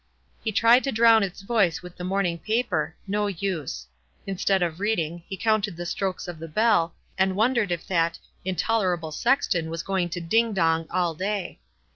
He tried to drown its voice with the morning paper — no use. Instead of reading, he counted the strokes of the bell, and wondered if that "intolerable sexton was going to ding dong all day."